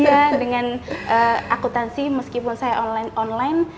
iya dengan akutansi meskipun saya online